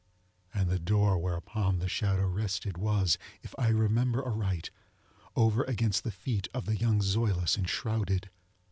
And the door whereupon the shadow rested was, if I remember aright, over against the feet of the young Zoilus enshrouded.